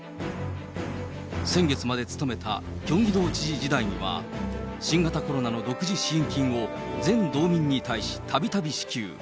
先月まで務めたキョンギ道知事時代には新型コロナの独自支援金を全道民に対したびたび支給。